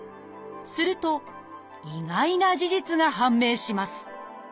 すると意外な事実が判明します